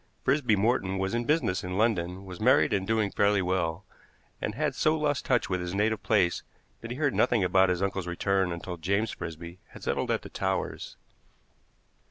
Frisby Morton was in business in London, was married and doing fairly well, and had so lost touch with his native place that he heard nothing about his uncle's return until James Frisby had settled at the Towers.